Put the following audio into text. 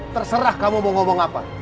terserah kamu mau ngomong apa